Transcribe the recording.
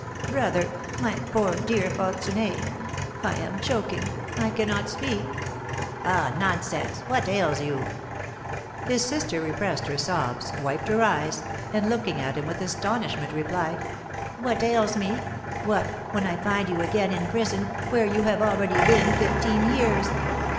"Brother my poor, dear Fortuné! I am choking I cannot speak." "Ah, nonsense! What ails you?" His sister repressed her sobs, wiped her eyes, and, looking at him with astonishment, replied, "What ails me? What, when I find you again in prison, where you have already been fifteen years!"